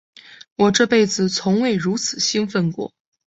我这辈子从未如此兴奋过。